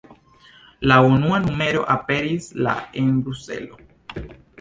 La unua numero aperis la en Bruselo.